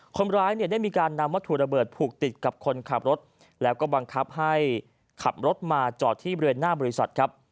คนร้ายเนี่ยได้มีการนำวัตถุระเบิดผูกติดกับคนขับรถแล้วก็บังคับให้ขับรถมาจอดที่บริเวณหน้าบริษัทครับ